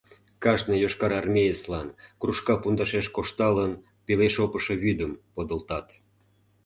Кажне йошкарармеецлан, кружка пундашеш кошталын, пеле шопышо вӱдым подылтат.